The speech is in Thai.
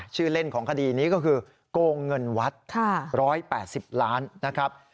ชื่อเล่นของคดีนี้ก็คือโกงเงินวัด๑๘๐ล้านนะครับ